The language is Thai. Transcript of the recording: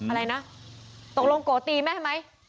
อะไรนะตกลงโก๋ตีแม่ทำไม